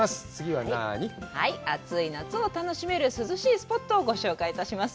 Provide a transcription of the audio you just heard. はい暑い夏を楽しめる涼しいスポットをご紹介致します